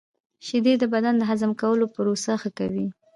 • شیدې د بدن د هضم کولو پروسه ښه کوي.